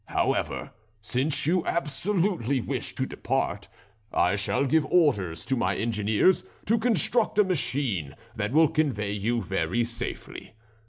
However, since you absolutely wish to depart, I shall give orders to my engineers to construct a machine that will convey you very safely.